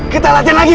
kita latihan lagi guru